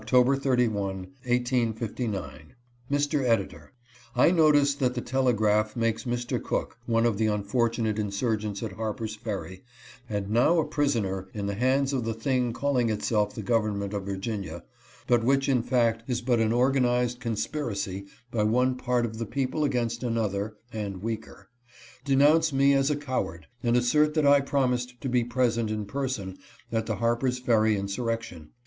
31, 1859. Mr. Editor : I notice that the telegraph makes Mr. Cook (one of the unfortunate insurgents at Harper's Ferry, and now a prisoner in the hands of the thing calling itself the Government of Virginia, but which in fact is but an organized conspiracy by one part of the people against another and weaker) denounce me as a coward, and assert that I promised to be present in' person at the Harper's Ferry insurrection.